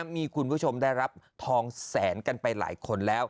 มีคุณผู้ชมได้รับทองแสนกันไปหลายคนแล้ว